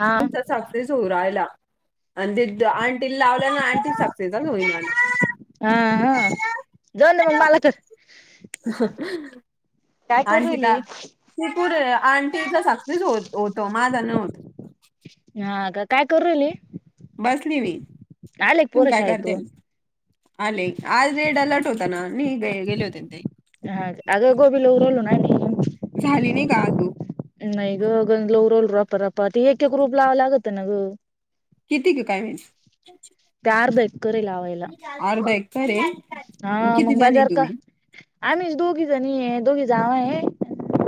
हा तुमचा साखरी झ उ रायला आणि त आंटी लाव. ना आंटी सगतयलो. हा दोन मग मालक. काय करू आणखी राहिली? तपूर आणि तेी तर सक्सेस हो होत माझं नव होत. हा का काय करूल बसलीवी तूम काय करते शाळेतून आले आज रेड अलर्ट होता ना. नाही ग गेले होते ते. हा अग गोबी ल रोल ना नाही. झाली नाही का अजू रप रप एक एक रुप लावं लागत ना गं. किती क काय म्हस. तयार देत करे लावायला अर्धा एकर आहे. आणि हा किती मग जणी बाजार का तुम्ही आमीच दोघीजणी दोघी जावा आहे.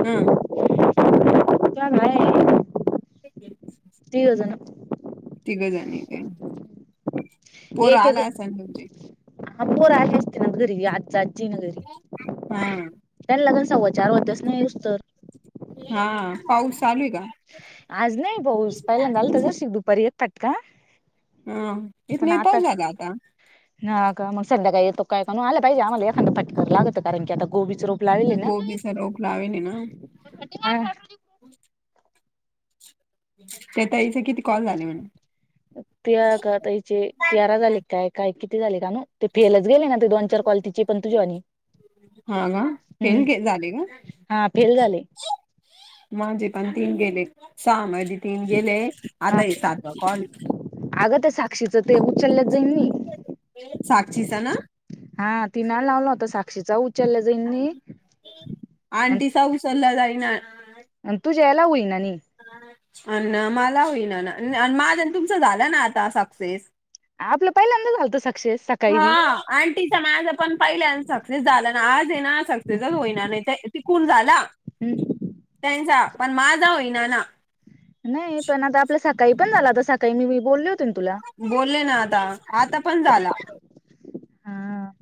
हम्म गाय आहे. हती [inaudible] तिघंजणी काय पोर एक एक आला अस ना तुमजे, हा पोर आली असतील ना घरी आज आजी ना घरी हा. त्याला लगन सव्वाचार वाजल्यास न आहे नुसत हा पाऊस चालू आहे का? आज नाही भाऊस पहिल्यांदाल तझ शिक दुपारी येतातात का? हा इत नाही पाऊस झाला आता. हा का मग संध्याकाळी येतो कायणून आला पाजे आमलाखादा फक्की करा लागतं कारणी आ गोबी च रोप लावले ना गोबीचा रोप लावेल ना. हा. हो. तेताईच किती? कॉल झाले म्हणे ते काताचे तिरा झाले काय काय किती? झा का ते फेलच गेले ना ते दोन चार क्लिटीचे पण तुझ्या आणि हा ग फेन झाले ग. हा फेल झाले माझे पण तीन गेले सहा माझे. तीन गेले आता हे सातवा कॉल साक्षीच ते उचलल्या जाईन नाही. साक्षीचा ना हा तिन नाही लावला होता साक्षीचा उचलला जाईनी. आंटीचा उसचला जाईना. आणि तू जेवला होईन. हायना मला होईना ना माझ्या तुमच झालं ना आता सक्सेस आपलं पहिल्यांदा झालत. हा आटींचा माझं पण पहिल्यादा सक्सेस झाला ना आज ये ना सक्सेसच होईणा नाही ते टिकून झाला त्यांचा पण माझा होईना ना. नाही पण आता आपल्या सकाळी पण झाला होता सकाळी मी बोललो होत. बोलले ना आता आता पण झाला. हा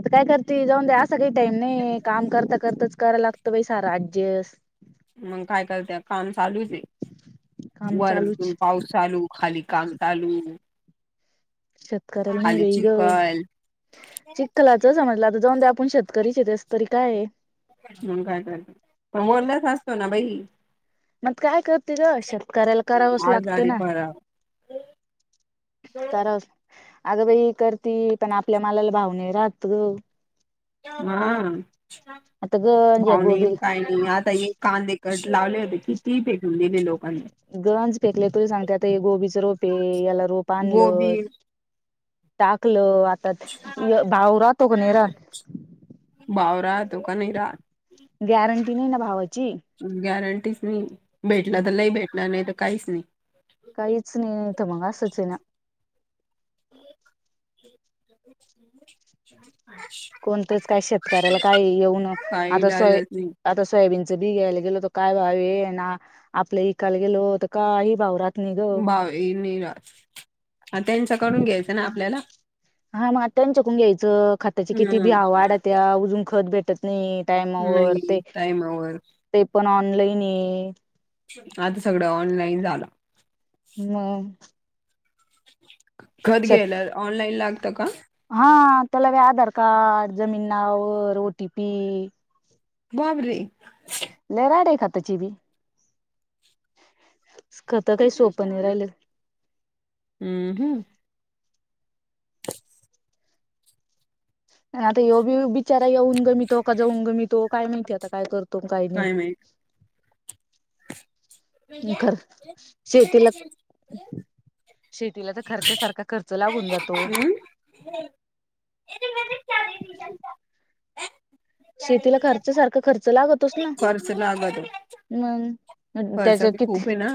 आता काय करते जाऊन द्या असा काही टाईम नाही काम करता करताच. करा लागत बाई सार ऍडजस्ट मग काय करते काम चालूच आहे काम चालूच वरतून पाऊस चालू खाली काम चालू. शेतकऱ्याला नाही खाली बाई गं. चिखल चिखखलाच समजलं आता जाऊन ते आपण शेतकरीचे तेस तरी काय आहे. काय काय पण मोलाच असतो ना बाई. मग काय करते ग शेतकऱ्याला करावंच लागत आजारी ना. पडा तर अग बाई करती. पण आपल्या मालाला भाव नाही राहत गं. हा आता गंज या भाव नाही गोबी काय नाही आता ये कांदे कशे. लावले होते किती पे लोकांनी गंज फेकले तुरी सांगते आता हे गोबीच रोप आहे याला रोप गोबी आणलं टाकलो. भाव राहतो का नाही राहात. गॅरंटी नाही ना भावाची. च नाही भेटला तर लई भेटला नाही तर काहीच नाही. काहीच नाही ये मग ये असच आहे कोणतच काय शेतकऱ्याला काही येऊन काही आता सोय इलाजच नाही आता सोयाबीन बघ्यायला गेलो तर काय भाव ना आपल्या विकायला गेलो तर काही भाव नाही ग भावी निरास ह त्यांच्याकडून घ्यायचं ना आपल्याला हा मग त्यांच्याकून घ्यायचं खताची किती भि हम्म वाढत्या अजून खत भेटत नाही टाईमवर नाही ते टाईमावर ते पण ऑनलाईन ये आता सगळं ऑनलाईन झालं मग खत श घ्यायला ला ऑनलाईन लागतं का हा त्याला व आधार कार्ड जमीन नावावर ओटी पी बाबरे त्याचीबी खता काही सोप नाही राहिलं हम्म हम्म, [unintelligible] आता येव बी बिचारा येऊन गमितो का जाऊन गमितो काय माहितीय आता काय करतो. तुम काही नाही. काय माहित खर शेतीला, शेतीला तर खर्च्यासारखा खर्च लागून जातो. मलता शेतीला खर्च सारखा खर्च लागतोस ना खर्च लागतो मग, खर्च त्याच्या बी किती खूप आहे ना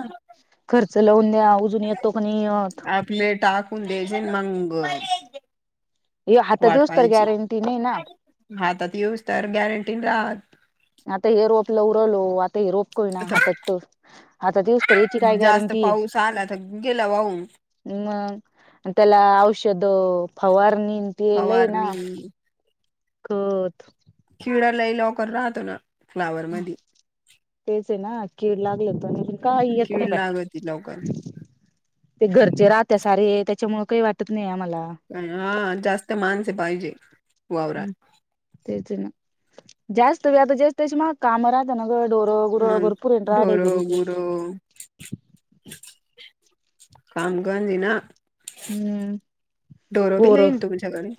खर्च लावून द्या अजून येतो क नाही येत. आपले टाकून द्यायचे मंग ये हात देऊस तर, गॅरंटी नाही ना. हा तर ते येऊच तर गॅरंटीने राहात लवलो आ ते रोपकय ना हातात आता तर हातात येऊस तर याची काय जास्त गॅरंटी आहे. पाऊस आला तर गेला वाहून हम मतेला औषध फवारनी येलय ना फवारणी खत शिवरालाई लॉकर राहतो ना फ्लावर मध्ये तेच आहे ना कीड लागले पण काय येत नाही कीड बा लागती लवकर ते घरचे राहत सारे, त्याच्यामुळे काही वाटत नाही आम्हाला हा जास्त माणसे पाहिजे. वावरात तेच आहे ना जास्त व आता जास्त म काम राहतना, डोर गुर मग भरपूर ए राड आहे ढोरं गरीब कामगंजी ना हम्म ढोरबी पोर लाईन तुमच्याकडे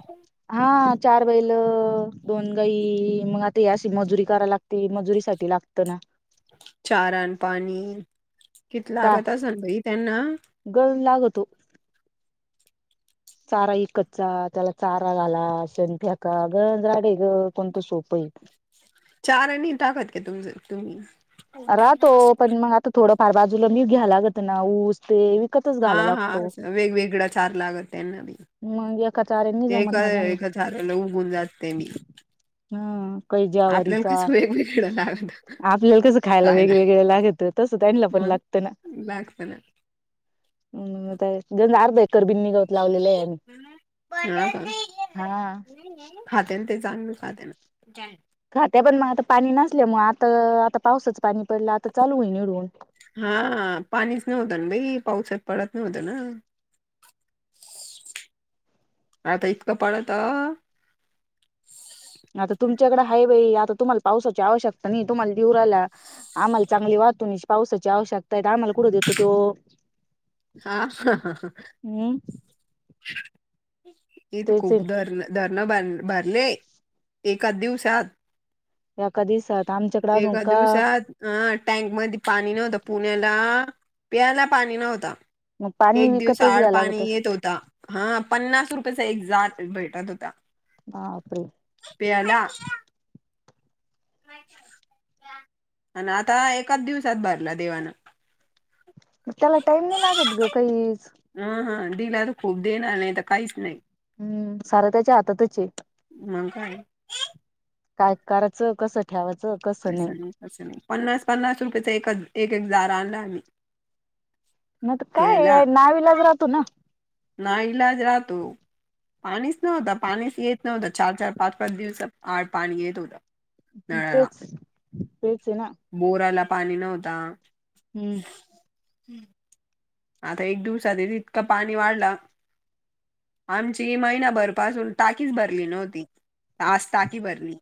हा चार बैल, दोन गई, मग आता यास मजुरी करायला लागते. मजुरी साठी लागतं ना. चारान पाणी किती चा लागत असल भाई त्यांना तो चारा इकचचा त्याला चारा झाला शंका गंडे ग कोणत सोप चार आणि टाकत का तुम तुम्ही राहतो. पण मग, आता थोडंफार बाजूला मी घ्याय लागत, ना ऊस ते.. विकतच हा, घालायला हा, लागतो. वेगवेगळं चार लागत त्यांना मी मग एका चचाऱ्यांनी जमत ना त्यानी चाराला उगून जात ते मी हम, कै आपल्याला जवारीचा कसं वेगवेगळं लागत आपल्याला कसं ख खायला वेगवेगळे लागत तस त्यांला पण मग लागत ना लागत ना हम् म जन आर् ब करबीन निघावत लावलेलं आहे. हा का हा, खाते ना ते जाण मि खा देनाय खात्या पण मग आता पाणी नसल्यामुळे, आता- आता पावसाचं पाणी पडलं आता चालूई निडून हा पाणीच नव्हतं ना, बाई पावसात पडत नव्हतं ना आता इतकं पडत तमच्याकड हाई आता तुम्हाला पावसाची आवशकता नाही. तुम्हालावराला आम्हाला चांग वाहतू पावसा आवश्यकता आम्हाला, कुठ देतो तो हा.. हम्म इथ तेच आहे. खूप धरण धरणं ब भारलेय एकाच दिवसात ना एका दिवसात आमच्याकडे अजून का एदवसात आठ टँक मध्ये पाणी नव्हता पुण्याला पियला पाणी नव्हता. मग पाणी एक दिवस विकतच आड घ्या पाणी लागतच येत होता हा पन्नास रुपये एक भेटत होत. ह अप्र पेला आणि आता एकाच दिवसात भरला देवानं. मग त्याला टाइम नाही लागत ग काही ह हा दिला तर खूप देणार नाही तर, काहीच नाही हम्म सार त्याच्या हातातच आहे मग काय काय करायचं कसं ठेवाचं कसं नाही कसं नाही पन्नास पन्नास रुपयेचा एकच एक एक दारा आणला आम्ही मग तर पेला काय नाविलाज राहतो ना ना इलाज राहतो पाणीच नव्हतं पाणीच येत नव्हतं चार चार पाच पाच दिवस पाणी येत होतं नळाला तेच तेच आहे ना बोराला पाणी नव्हता हम्म आता एक दिवसाात तितकं पाणी वाढला आमची महिनाभरपासून टाकीच भरली नव्हती आास ताकी भरली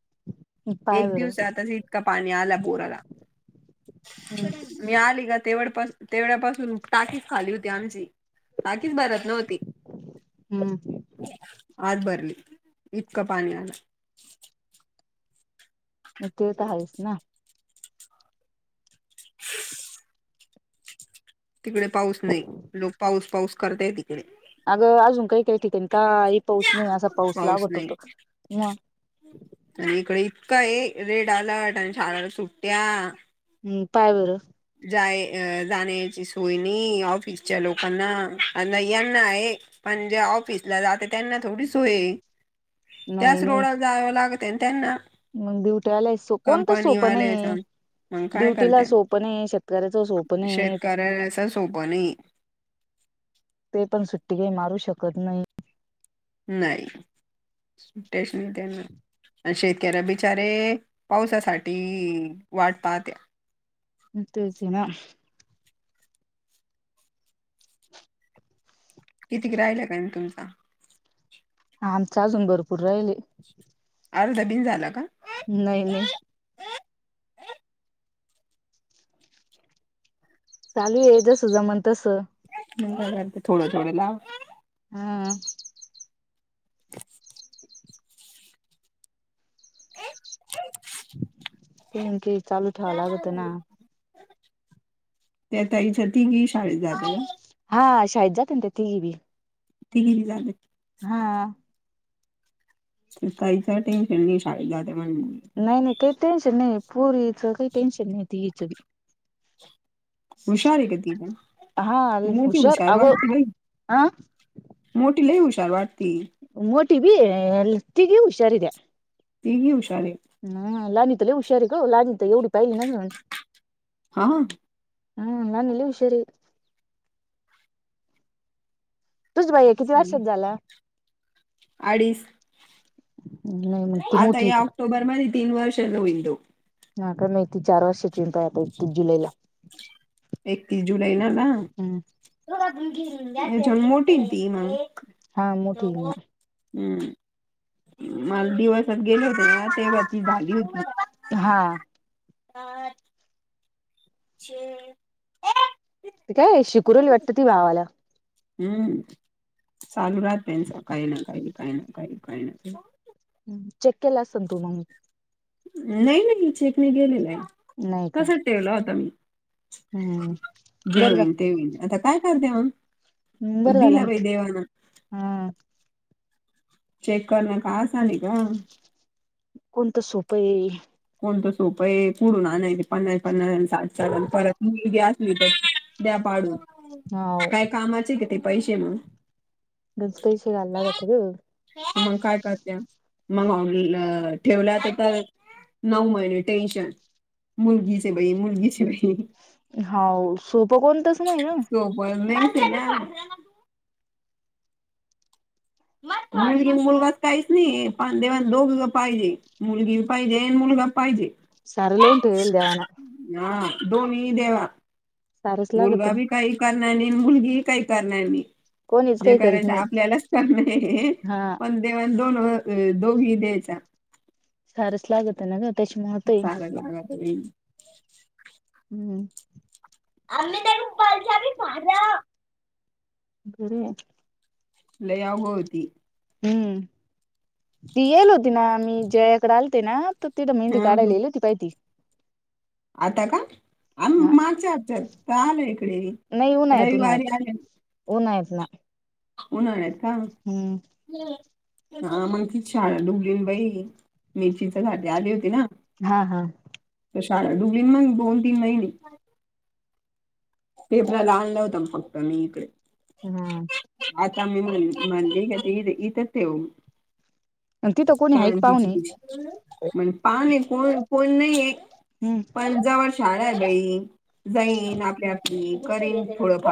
पाय एक बरं दिवस आतसीत का पाणी आला बोर आला हम्म मी आली का तेवपासून तेवढ्यापासून टाकीच खाली होती आमची बाकीच भरत नव्हती हम्म आज भरली इतका पाणी आला म ते तर आहेस ना ह तिकडे पाऊस नाही लोक पाऊस पाऊस करतय तिकडे अगं अजून काही काही ठिकाणी काही पाऊस नाही असा पाऊस ला आवट होतो म काय रेड अलर्ट आणि झााराला सुट्ट्या हम्म पाय बरं जाण्याची सोय ऑफिसच्या लोकांना नना आहे म्हणजे ऑफिसला जाते त्यांना थोडी सोय नाही त्याच नाही रोडला जाव लागत आणि त्यांना मग ड्युटीला कोणत सोप नाही कंपनीवाल्याचा मग काय ड्युटीला करत्या सोपं शेतकऱ्याच सोपन शेतकऱ्याला असं सोपं नाही ते पण सुट्टी काही मरू शकत नाही नाही स्टेशन देणार आणि शेतकऱ्या बिचारे पावसासाठी वाढत त्या्या तेस ना कितीक राहिलं काय म तुमचा हा आमच अजून भरपूर राहिले अर्ध बीन झाला का नाही नाही चालू आहे जस जमन तस. म थोडं थोडे लाव. हम्. काही ना काही चालू ठेवां लागत ना. त्या तईच्या तिघी शाळेत जात. हा शाही जातंत तिघी भ, तली झाले. त साईसाठी फेणी शालाात म्हणज. नाही नाही काही टेन्शन नाही प पुरीच काही टेन्शन नाही तच हुशारी कधी पण हा मोठी हुशार अगो वाट गई. अ मोट लई ह शारवार त. टी बी ल ती ग हुषार द. तेघ हुशार. हम लाणी त ल हुशारी का लाणी तर एवढी पाहिली ना हा हा न नली उषरी तुझ भाई किती वर्षात झाला अडीच नाही मग ती आता मोठी आहे या का ऑक्टोबर म तीन वार लू होल हा का मा त चार वर्षचीिंत आता एकती जुलैला. एकतीस जुलै ना ना हम्म जन मोठी ती. हा मोठीक ना. हम्म मला दिवसात गेले होते ना तेव्हा ती झाली होती. हा. आ. े [unintelligible] ते काय शिकुरला वाटतं ती भावाला. हम्म चालू राहत त्यांच काही ना काही काही ना काही काही ना काही चेक केला अस तु मग. नाही नाही चेक म गेलेला नाही आहे का कसं ठेवला होता मी. हम्म जे बर जा. होईल ते होईल आता काय करते मग. हम्म बरं झालं दिला ना भाई ते. देवाना. हा चेक करणार कासा न का. कोणतं सोपं आहे. ण त सोप आहे पुडून आणाय पन्नास पन्नाठ परत. द्या पाडून हाव काय कामाचे का ते पैसे म्हण. गंज पैसे घालायला लागते ग मग काय करात्या मगवून गलं ठेवला तर तर नऊ महिने टेशन मुलगीचे बई मुलगीचे बई होा सोपं कोणतच नाही ना ह ना मग मुलगी मुलगाच काहीच नाही पण देव दोघ पाहिजे मुलगी पाहिजे आणि मुलगा पाहिजे. सार लवन ठेल देवाना. हा दोन्ही देवा सारच लागत मुलगा ना बी काही करणार नाही आणि मुलगीहीी काही करणार नाही. कोणीच जे काही करीत करायचं नाही आपल्यालाच कर नाही हा पण देव दोन. अ दोघी द्यायच्या. हारस लागत नग. त्याच महत आहे सारा लागत बाई. हम्म. आम्ही त्या पालच्या माझ्या. बर. लयाव होती. हम्म ती येईल होती ना मी जयाकडे आलते ना. तिथ मेंदी हा ह काढालाेली होतीहिती. आता का आ हा माझ्या आच्यात रा आलं इकडे. नाही उन्हाळ्यात रविवारी उन्हाळ्यात आहे. उन्हाळ्यात ना. हो न, न य का? हम्म हा मग ति शाळा [unintelligible] बाई! [unintelligible] आली होती ना? हा हा. शाळा [unintelligible] मग दोन, तीन महिने पेपराला आणला होता, फक्त मी इकडे हम्म! आता मी म्हणे क इथंच ठऊ. अन तिथं [unintelligible] कोणी आहे का पाहुणे कोण नाहीये.? हम्म पण जवळ शाळ देई जाईन, आपली आपली करीन थोडं फार